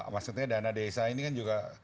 maksudnya dana desa ini kan juga